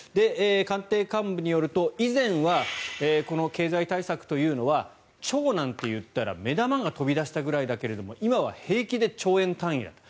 官邸幹部によると以前はこの経済対策というのは兆なんて言ったら目玉が飛び出したぐらいだけど今は平気で兆円単位だと。